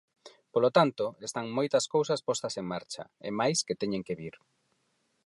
Polo tanto, están moitas cousas postas en marcha, e máis que teñen que vir.